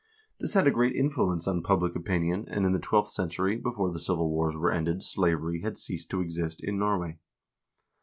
1 This had a great influence on public opinion, and in the twelfth century, before the civil wars were ended, slavery had ceased to exist in Norway.